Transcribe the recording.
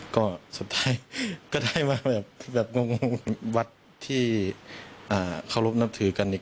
ก็สุดท้ายได้มาแบบวัดที่เขารบนับถือกันนี้